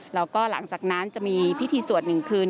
แล้วก็หลังจากนั้นจะมีพิธีสวด๑คืน